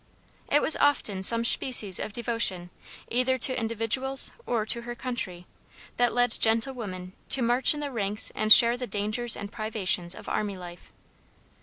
It was often some species of devotion, either to individuals or to her country, that led gentle woman to march in the ranks and share the dangers and privations of army life.